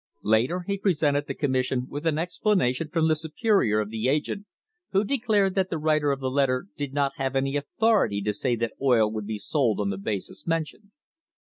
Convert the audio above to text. Later he presented the com mission with an explanation from the superior of the agent, who declared that the writer of the letter did not have any authority to say that oil would be sold on the basis mentioned.